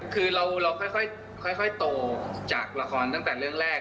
คือเราค่อยโตจากละครตั้งแต่เรื่องแรก